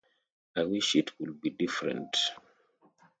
I wish it could be different.